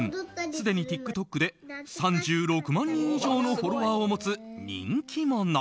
すでにＴｉｋＴｏｋで３６万人以上のフォロワーを持つ人気者。